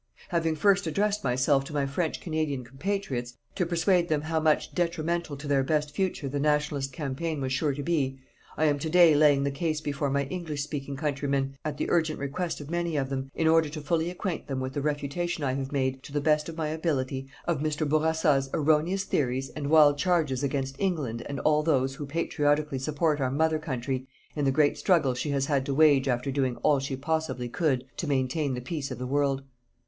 Having first addressed myself to my French Canadian compatriots to persuade them how much detrimental to their best future the Nationalist campaign was sure to be, I am to day laying the case before my English speaking countrymen, at the urgent request of many of them, in order to fully acquaint them with the refutation I have made, to the best of my ability, of Mr. Bourassa's erroneous theories and wild charges against England and all those who patriotically support our mother country in the great struggle she has had to wage after doing all she possibly could to maintain the peace of the world.